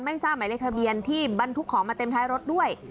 ทราบหมายเลขทะเบียนที่บรรทุกของมาเต็มท้ายรถด้วย